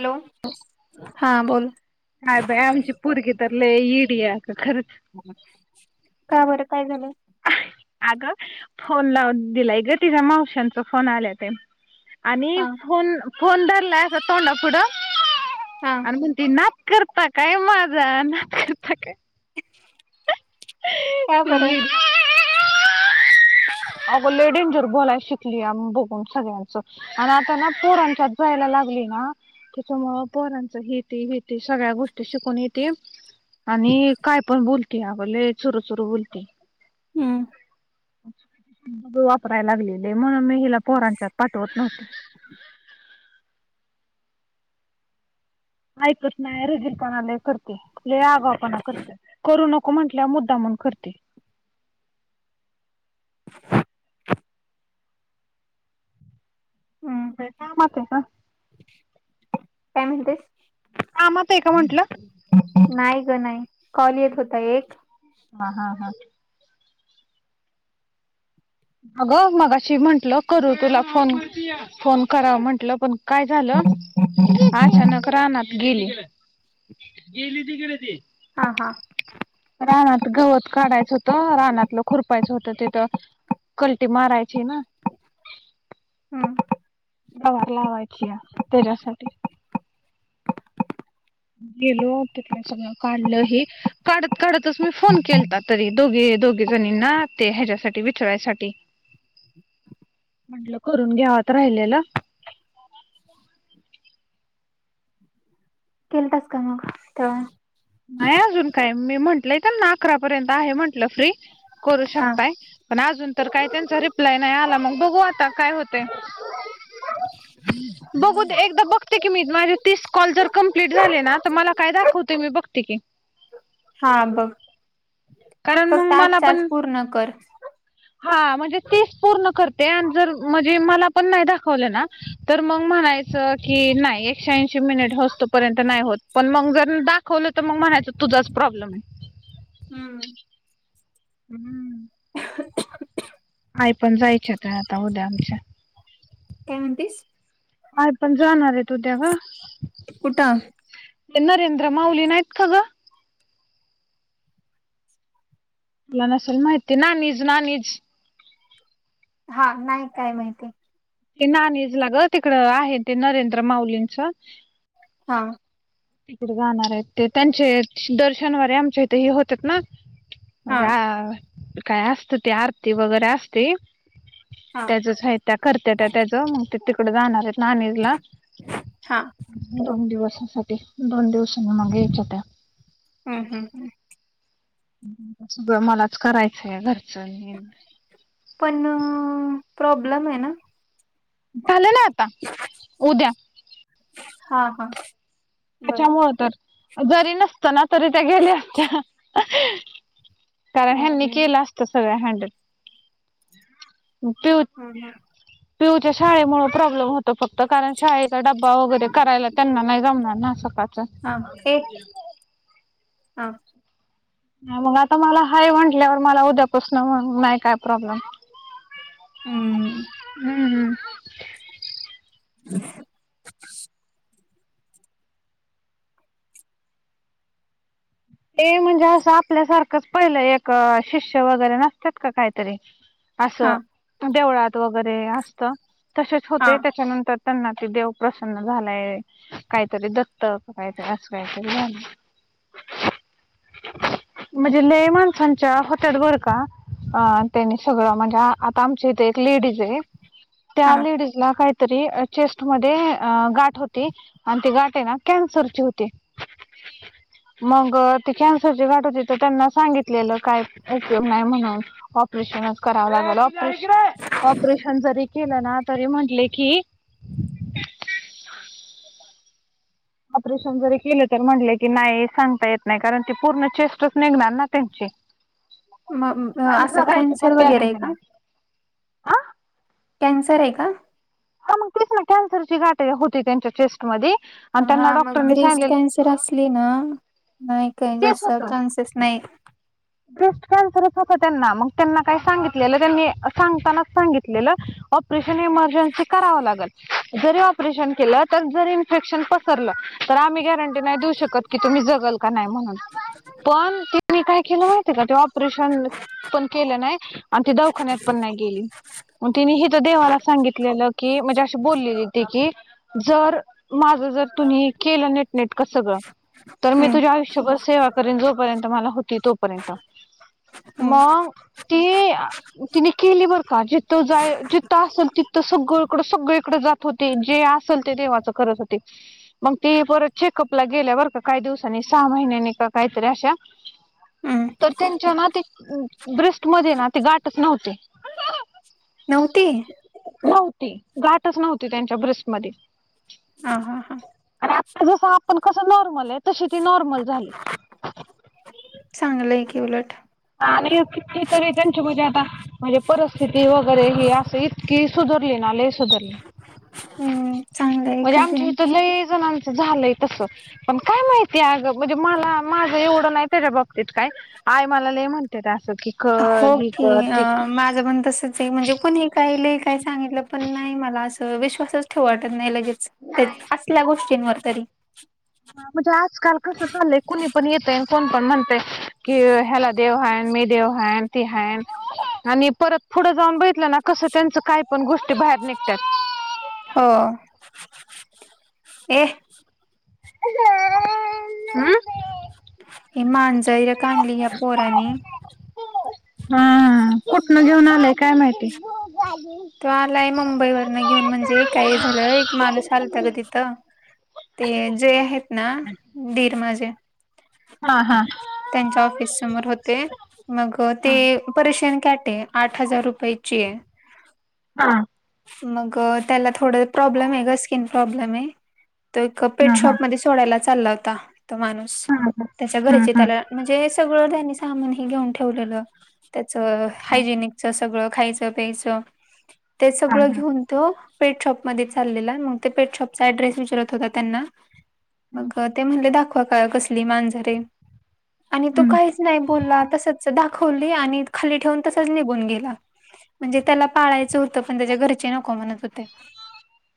Hello हा बोल अय बाई आमची पुरगी तरले इडीया का खरंच. का बरं काय झालं? अगं फोन लाव दिलाय ग तिच्या मावशांचा फोन आल्या ते. आणि हा फोन फोन धरलाय आसा तोंड पुुढं हा. आणि मण त नात करता काय माझा नात करता काय? पहा बरं. येडी. आव लय डंजर बोलाय शिकली बघून सगळ्यांचं. आणि आता ना पोरानच्यात जायला लागली ना त्याच्यामुळ पोरांच हती हती सगळ्या गोष्टी शिकून येते. आणि काय पण बोलते आपगले चुरूचुरू बोलते. हम्म. वापराय लागलेय लय म्हणून मी हिला पोरांच्यात पाठवत नव्हते. ऐकत नाही रुजिरपणा लय करते, लय आगाव पणा करते, करू नक नको म्हटल्याव मुद्दामुन करते. [inaudible] हम्म ब का म का [unintelligible] काय म्हणतेस. कामात आहे का म्हंटलं. नाही ग नाही कॉल येत होता एक. हां हां हां. अगं मगाशी म्हंटलं करू तुला फोन फोन करा म्हंटलं पण. काय झालं अचानक रानात गेली. गेली तिकडं गेले ती. हा हा. रानात गवत काढायचं होतं, रानातलं खुरपायचं होतं तिथं कलटी मारायची ये ना. हम्. प्रवार लावायची या त्याच्यासाठी. गेलो तिथलं सगळं काढलं हे. काढत काढतच मी फोन केलता तरी दोघे दोघे जणींना ते ह्याच्यासाठी विचारयसाठी. [inaudible] म्हंटलं करून घ्याव राहिलेला. केल तास का मग तर. नाही अजून काय मी म्हटलंय त्यां ना अकरा पर्यंत आहे म्हंटलं फ्री करू हा शकताय. पण अजून तर काय त्यांचा रिप्लाय नाही आला मग बघू आता काय होते. [unintelligible] बघू देएकदा बघते की मी माझे तीस कॉल जर कम्प्लीट झाले ना तर मला काय दाखवते मी बघते की. हा बघ कारण फक्त मग मला आजच्या आज पण पूर्ण कर. हा म्हणजे तिस पूर्ण करते आन जर म्हणजे मला. पण नाही दाखवलं ना तर मग म्हणायचं की नाही एकशेऐंशी मिनिट होव्स तोपर्यंत नाही होत. पण मग जर दाखवलं तर म्हणायचं तुझाच प्रॉब्लेम हे. हम्म. हम्म. [unintelligible] आई पण जायच्यात आता उद्या आमच्या. काय म्हणतीस. आय पण जाणार आहे तू देव. कुठं? ते नरेंद्र माऊली नाहीत का गं? तुला नसेल माईती नानीज, नानीज. हां नाय काय माहिती. ते नाणीजला ग तिकडं आहेन ते नरेंद्र माउलींचं. हा. तिकडे जाणारायत ते, त्यांचे दर शनीवारे आमच्या इथे हे होत्यात ना. हा म्हणजे आ काय असतं ते आरती वगैरे असते. हा त्याचच हाय त्या करत्या त्या त्याचं मंग ते तिकड जाणारायत. नानिज ला हा दोन दिवसासाठी, दोन दिवसनी मग यायच्या त्या. हम्म हम्म हम्म. सगळं मलाच करायचंय घरचं अन् हे. पण प्रॉब्लेम आहे ना. झालं ना आता उद्या. हा, हा. बरोबर त्याच्यामुळं तर, जरी नसताना तरी त्या गेल्या असत्या. कारण ह्यांनी हम्म केलं असतं सगळ हँडल, त्यो हम्म हम्म. पिऊच्या शाळेमुळं प्रॉब्लेम होतो फक्त, कारण शाळेचा डब्बा वगैरे करायला त्यांना नाय जमणार ना. सकाळचं हा ते हा. मग आता मला आहे म्हंटल्यावर, मला उद्यापासन मग नाही काय प्रॉब्लेम. हम्म [unintelligible] हंम. [unintelligible] ते म्हणजे असं आपल्यासारखंच, पहिलं एक शिष्य वगैरे नसतात का काहीतरी. हा असं देवळात वगैरे असतं, तसेच हा होते त्याच्यानंतर त्यांना ते देव प्रसन्न झालाय, काहीतरी दत्त का काहीतरी असं काहीतरी झालंय. [inaudible] म्हणजे लंय माणसांच्या होतात बरं का. अ त्यांनी सगळं म्हणजे आता आमच्या इथे एक लेडीज आहे, हा त्या लेडीज तिला काहीतरी चेस्टमध्ये अ गाठ होती. आणि ते गाठ आहे ना कॅन्सरचे होती. मग ती कॅन्सरची गाठ होती तर त्यांना सांगितलेलं काय उपयोग नाही म्हणून. ऑपरेशनचं करावं लागेलं ऑपरेशन, ऑपरेशन जरी केलं ना तरी म्हटले की ऑपरेशन जरी केलं तर म्हटले की नाही सांगता येत नाही, कारण ते पूर्ण चेस्टच निघणार ना त्यांची. मग अ, माणूस असं जगायची कॅन्सर पण वगैरे आहे गॅरंटी का? नाही. हा कॅन्सर आहे का? हा मग तेस ना कॅन्सरची गाठय होती त्यांच्या चेस्टमधी आणि त्यांना डॉक्टरनी सांगले तर असली ना नाही काही तेच जास्त होतं चान्सेस नाहीत. ब्रेस्ट कॅन्सरच होता त्यांना मग त्यांना काय सांगितलेलं त्यांनी सांगतानाच सांगितलेलं ऑप ऑपरेशन इमर्जन्सी करावा लागेल. जरी ऑपरेशन केलं तर जरी इन्फेक्शन पसरलं तर आम्ही गॅरंटी नाही देऊ शकत. की तुम्ही जगल का नाही म्हणून पण तिनी काही केलं माहितीय का ते ऑपरेशन पण केलं नाही आणि ती दवाखान्यात पण नाही गेली. मग तिने हित देवाला सांगितलेलं की म्हणजे अशी बोललेली ति की जर माझं जर तुम्ही केलं निट निटक सगळं तर मी हम्म तुझ्या आयुष्यभर सेवा करीन जोपर्यंत मला होती तोपर्यंत. हम्म मंग ती तिने केली बर का जिथं जाय जिथं असेल तिथं सगळकडं सगळीकडे जात होती जे असेल ते देवाच करत होती. मग ती परत चेकअप ला गेल्या बर काही दिवसांनी सहा महिन्यांनी का काहीतरी अशा हम्म तर त्यांच्या ना ते ब्रेस्ट मध्ये ना ती गाठच नव्हती. नव्हती? नव्हती गाठच नव्हती त्यांच्या ब्रेस्टमध्ये. हां हां हां. आणि आता जस आपण कस नॉर्मलय तशी ती नॉर्मल झाली. चांगलंय की उलट. आणि कितीतरी त्यांची मजी आता म्हणजे परिस्थिती वगैरे ही असं इतकी सुधरली ना लय सुधरली. हम्म. चांगलं आहे म्हणजे का ते? आमच्या इथ लय जणांच झालंय तस. पण काय माहिती अग म्हणजे मला माझं एवढं नाही त्याच्या बाबतीत काय आय मला लय म्हणत्यात असं की कर ही होकी कर अ ती माझ. माझ पण तसचय म्हणजे कोणी काय लय काय सांगितलं पण नाही मला असं विश्वासच ठेवू वाटत नाही लगेच. तर असल्या गोष्टींवर तरी. म्हणजे आजकाल कसं चाललंय कुणी पण येतय न कोण पण म्हणतय की ह्याला देव हाय न मी देव हाय न ती हायन आणि परत पुढं जाऊन बघितलं ना कसं त्यांचं काय पण गोष्टी बाहेर निघत्यात. हो ये. अं? हे मांजर ईथ का आणली या पोरांनी? हा कुठन घेऊन आलंय काय माहिती? तो आलाय मुंबई वरन घेऊन म्हणजे काय झालं एक माणूस आलता ग तिथं. ते जे आहेत ना दिर माझे. हा हा त्यांच्या ऑफिस समोर होते मग हा हा ते परेशयन कॅटेय आठ हजार रुपायचीय. हां. मग त्याला थोड प्रॉब्लेमय ग स्किन प्रॉब्लेमय तो एक हा हा पेटशॉपमध्ये तोडायला चालला होता तो माणूस त्याच्या घराचे हा त्याला म्हणजे सगळं त्यांनी सामान हे घेऊन ठेवलेलं. त्याच हायजेनिकच सगळं खायचं प्यायचं ते सगळं हा घेऊन तो पेटशॉप मध्ये चाललेला मग ते पेटशॉपचा ऍड्रेस विचारत होता त्यांना. मग ते म्हणले दाखवा का कसली मांजर आहे. आणि तो हम्म काहीच नाही बोलला तसंच दाखवली आणि खाली ठेवून तसच निघून गेला. म्हणजे त्याला. पाळायचं होत पण त्याच्या घरचे नको म्हणत होते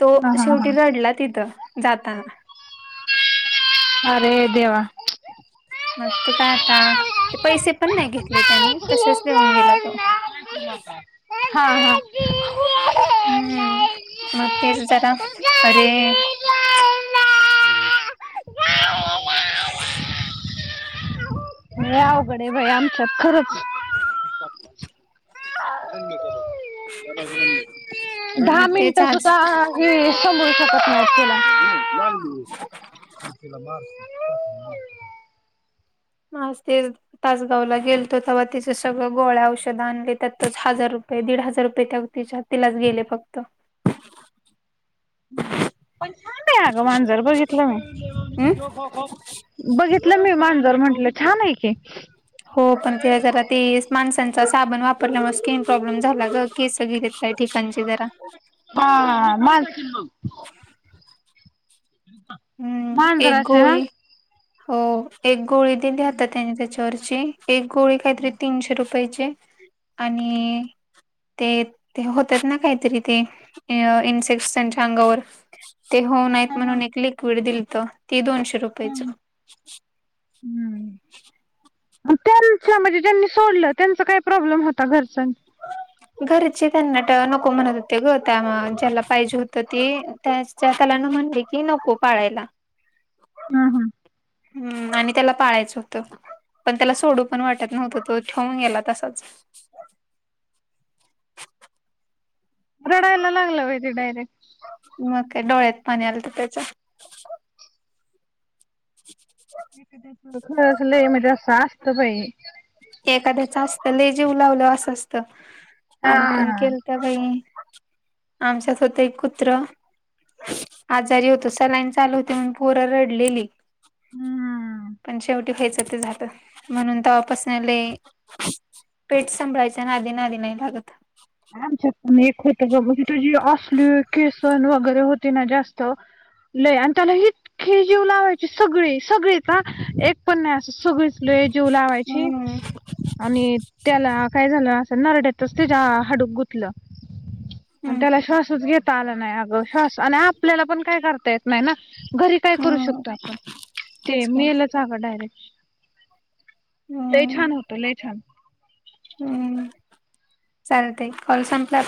तो हा हा हा. शेवटी रडला तिथं. जाताना. अरे देवा. मग तो काय आता ते त्यांनी पैसे पण नाय घेतले पैसे तसेच देऊन गेला. हा हा. हम्म म तेच जरा अरे. लै अवघड हाय बया आमच्यात खरंच. [inaudible] दहा मग तेच मिनटं आज सुद्धा. कुणी सांभाळू शकत नायतं त्यला. मस्त [unintelligible] तासगावला गेलतो तेव्हािं सगळं गोळ्या औषधं आणले त्यातच हजार रुपये दीड हजार रुपये त्या खीशात. तिलाच गेले फक्त. पण छान हाय ग मांजर बघितलं मी. हम्म बघितलं मी मांजर म्हंटलं छान हाय की. हो पण तेि जरा ते माणसांचा साबण वापरल्यामुळे स्किन प्रॉब्लेम झाला ग केस सग ठिकाणची जरा [unintelligible] हम्म एक मांजराची ना. गोळी हो एक गोळी दिली होति आता त्यांनी त्याच्यावरची. एक गोळी काय तरी तीनशे रुपयाची हाय आणि ते ते होतात ना काहीतरी ते इन्सेक्टसांच्या अंगावर. ते होऊ नयेत म्हणून एक लिक्विड दिलत ते दोनशे रुपयाचं. हम्म. हा त्यांनी म्हणजे ज्यांनी सोडलं त्यांचा काय प्रॉब्लेम होता घरचा घरचे त्यांनाट नको म्हणत होते ग त्या ज्याला पाहिजे होत ते त्या. त्यालान म्हणले की नको पाळायला. हम हम. हम्म आणि त्याला पाळायचं होतं. पण त्याला सोडू पण वाटत नव्हतं तो ठेवून गेला तसाच. रडायला लागल वै तो डायरेक्ट. मग काय डोळ्यात पाणी आलतं त्याच्या [inaudible] खर म्हज शस्त. [unintelligible] एखाद्याच असत ले जीवलावलं असं असतं हा आम्ही पण केलं. त बाई आमच्यात होतं एक कुत्र आजारी होतं सलाईन चालू होती म्हणून पोर रडलेली. हम्म. पण शेवटी व्हायचं ते झालं म्हणून तवापसनं. लै पेठ सांभाळायच्या नादी नादी नाय लागत. आमच्यात पण एक होतं बा की त्यजी असली केसं वगैरे होती ना जास्त. लय अन त्याला इतकं जीव लावायची सगळं सगळं म्हणजे एक पण नाय असा सगळीच लई जीव लावायची हम्म आणि त्याला काय झालं. असं नरड्यातच त्याला. हाडूक गुतला आणि हम्म त्याला श्वासच घेता आला नाय अगं श्वास आणि आपल्याला पण काय करता यत नाय ना घरी काय करू हम्म शकतो आपण ते तेच की मेलं. जागा डायरेक्ट हम्म लैछान होत लै छान. हम्म चालतय कॉल संपला.